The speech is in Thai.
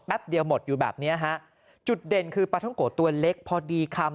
เดียวหมดอยู่แบบเนี้ยฮะจุดเด่นคือปลาท่องโกะตัวเล็กพอดีคำ